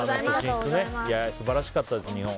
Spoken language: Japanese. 素晴らしかったです、日本。